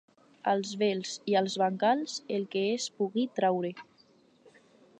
Als vells i als bancals, el que es pugui traure.